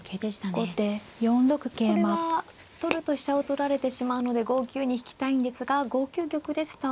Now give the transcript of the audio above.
これは取ると飛車を取られてしまうので５九に引きたいんですが５九玉ですと。